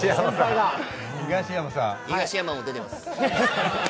東山も出てます。